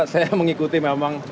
saya mengikuti memang